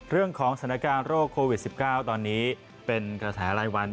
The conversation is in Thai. เรื่องของสถานการณ์โรคโควิด๑๙ตอนนี้เป็นกระแสรายวัน